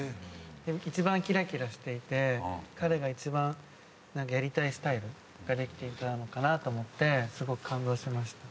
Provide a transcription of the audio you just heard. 一番キラキラしていて彼が一番やりたいスタイルができていたのかなと思ってすごく感動しました。